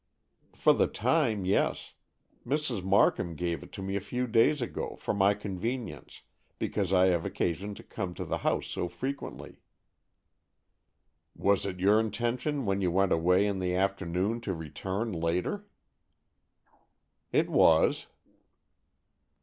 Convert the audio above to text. "For the time, yes. Mrs. Markham gave it to me a few days ago, for my convenience, because I have occasion to come to the house so frequently." "Was it your intention when you went away in the afternoon to return later?" "It was."